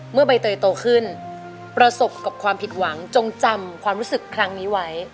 ใบเตยโตขึ้นประสบกับความผิดหวังจงจำความรู้สึกครั้งนี้ไว้